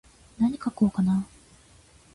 なに書こうかなー。